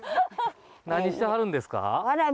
何してはるんですか？